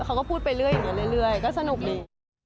เขาก็พูดเป็นเรื่อยอย่างเนี่ยเรื่อยแต่สนุกดี